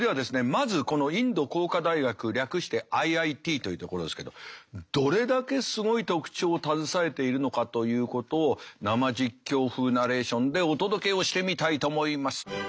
まずこのインド工科大学略してＩＩＴというところですけどどれだけすごい特徴を携えているのかということを生実況風ナレーションでお届けをしてみたいと思います。